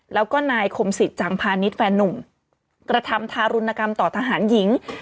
แล้วก็นายคมศิษย์จังพาณิชย์แฟนนุ่มกระทำทารุณกรรมต่อทหารหญิง